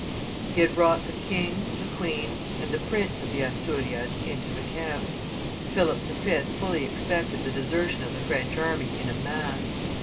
He had brought the king, the queen, and the prince of the Asturias into the camp; Philip V. fully expected the desertion of the French army in a mass.